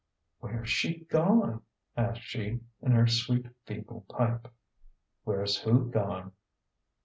" Where's she gone ?" asked she, in her sweet, feeble pipe. "Where's who gone?"